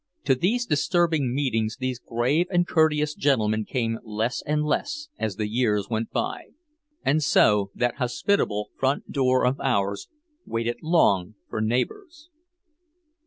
To such disturbing meetings these grave and courteous gentlemen came less and less as the years went by. And so that hospitable front door of ours waited long for neighbors.